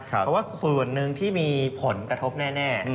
เพราะว่าส่วนหนึ่งที่มีผลกระทบแน่